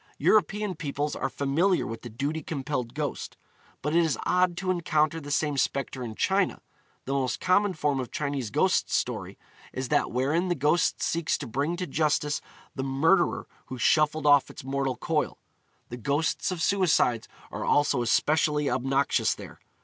European peoples are familiar with the duty compelled ghost; but it is odd to encounter the same spectre in China. The most common form of Chinese ghost story is that wherein the ghost seeks to bring to justice the murderer who shuffled off its mortal coil. The ghosts of suicides are also especially obnoxious there.